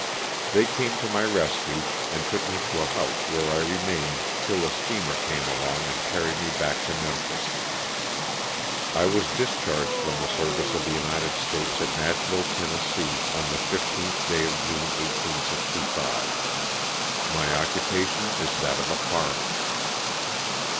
They came to my rescue and took me to a house where I remained till a steamer came along and carried me back to Memphis. I was discharged from the service of the United States at Nashville, Tenn., on the 15th day of June, 1865. My occupation is that of a farmer.